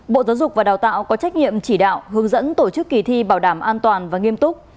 bộ giáo dục và đào tạo có trách nhiệm chỉ đạo hướng dẫn tổ chức kỳ thi bảo đảm an toàn và nghiêm túc